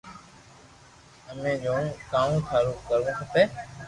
امي جوئو ڪاو ٿارو ڪروو کپي